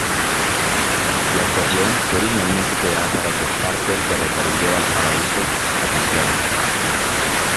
La estación fue originalmente creada para ser parte del ferrocarril de Valparaíso a Santiago.